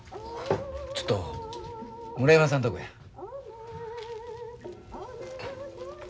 ちょっと村山さんとこや。